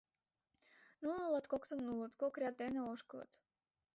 Нуно латкокытын улыт, кок ряд дене ошкылыт.